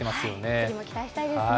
次も期待したいですよね。